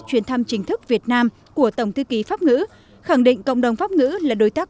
chuyến thăm chính thức việt nam của tổng thư ký pháp ngữ khẳng định cộng đồng pháp ngữ là đối tác